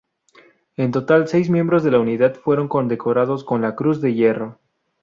En total, seis miembros de la unidad fueron condecorados con la Cruz de Hierro.